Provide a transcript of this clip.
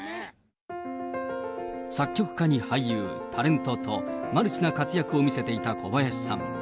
作曲家に俳優、タレントと、マルチな活躍を見せていた小林さん。